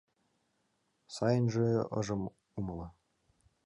— Сайынже ыжым умыло.